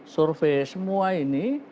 survei semua ini